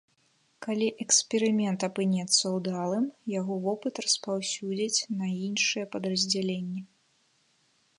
Калі эксперымент апынецца ўдалым, яго вопыт распаўсюдзяць на іншыя падраздзяленні.